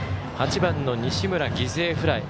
８番の西村、犠牲フライ。